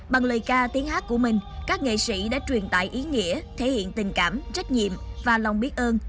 bằng lời ca tiếng hát của mình các nghệ sĩ đã truyền tải ý nghĩa thể hiện tình cảm trách nhiệm và lòng biết ơn